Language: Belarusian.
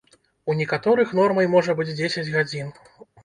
У некаторых нормай можа быць дзесяць гадзін.